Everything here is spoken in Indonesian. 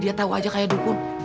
dia tahu aja kayak dukun